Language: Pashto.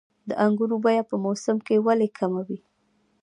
د انګورو بیه په موسم کې ولې کمه وي؟